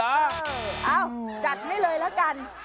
เอ้าจัดให้เลยละกัน